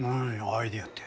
アイデアって。